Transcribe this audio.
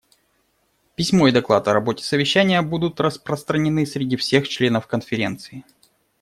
Письмо и доклад о работе совещания будут распространены среди всех членов Конференции.